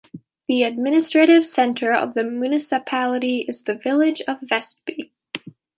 The administrative centre of the municipality is the village of Vestby.